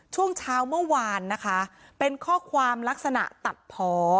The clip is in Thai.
ช่วงเช้าเมื่อวานนะคะเป็นข้อความลักษณะตัดพอ